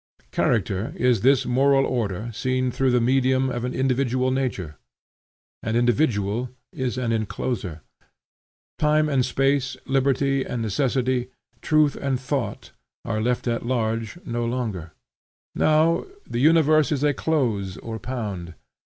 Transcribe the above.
Character is this moral order seen through the medium of an individual nature. An individual is an encloser. Time and space, liberty and necessity, truth and thought, are left at large no longer. Now, the universe is a close or pound.